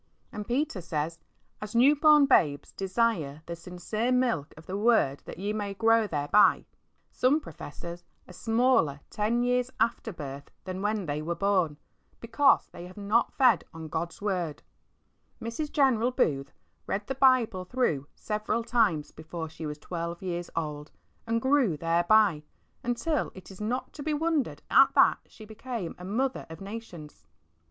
And Peter says, "As new born babes, desire the sincere milk of the Word that ye may grow thereby." Some professors are smaller ten years after birth than when they were born, because they have not fed on God's Word. Mrs. General Booth read the HOW TO KEEP A CLEAN HEART. 35 Bible through several times before she was twelve years old, and grew thereby, until it is not to be wondered at that she became a ''mother of nations.